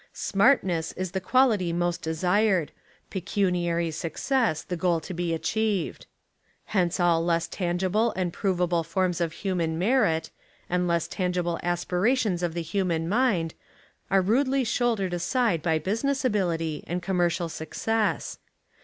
Smartness Is the quality most de sired, pecuniary success the goal to be achieved. Hence all less tangible and provable forms 92 Literature and Education in America of human merit, and less tangible aspirations of the human mind are rudely shouldered aside by business ability and commercial success.